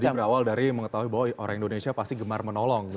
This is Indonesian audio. ini berawal dari mengetahui bahwa orang indonesia pasti gemar menolong gitu